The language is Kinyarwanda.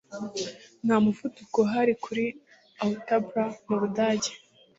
nta muvuduko uhari kuri autobahn mu budage